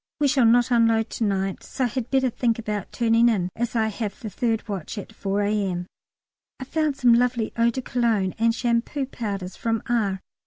We shall not unload to night, so I had better think about turning in, as I have the third watch at 4 A.M. I found some lovely eau de Cologne and shampoo powders from R.